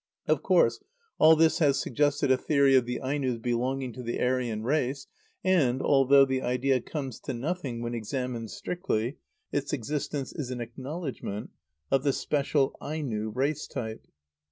Of course all this has suggested a theory of the Ainos belonging to the Aryan race; and, although the idea comes to nothing when examined strictly, its existence is an acknowledgment of the special Aino race type.